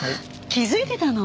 気づいてたの？